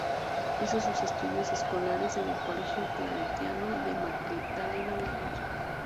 Hizo sus estudios escolares en el Colegio Claretiano de Magdalena del Mar.